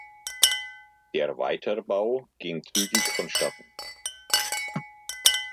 Der Weiterbau ging zügig vonstatten.